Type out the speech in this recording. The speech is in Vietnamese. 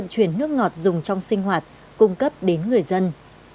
chuyển nước ngọt dùng trong sinh hoạt cung cấp đến người dân